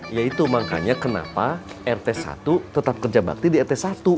ya itu makanya kenapa rt satu tetap kerja bakti di rt satu